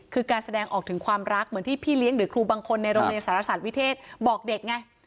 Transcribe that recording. คือการแสดงออกถึงความรักเหมือนที่พี่เลี้ยงหรือครูบางคนในโรงเรียนสารศาสตร์วิเทศบอกเด็กไง